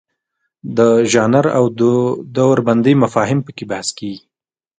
د ژانر او دوربندۍ مفاهیم پکې بحث کیږي.